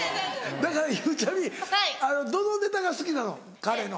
だからゆうちゃみどのネタが好きなの？